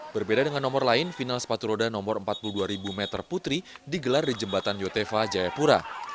berbeda dengan nomor lain final sepatu roda nomor empat puluh dua meter putri digelar di jembatan yotefa jayapura